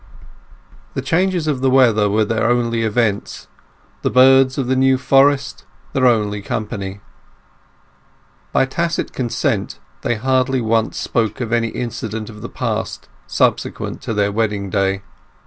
The changes of the weather were their only events, the birds of the New Forest their only company. By tacit consent they hardly once spoke of any incident of the past subsequent to their wedding day.